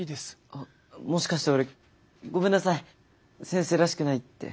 あっもしかして俺ごめんなさい「先生らしくない」って。